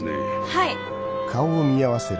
はい。